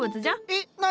えっ何？